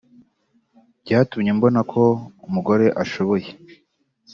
byatumye mbona ko umugore ashoboye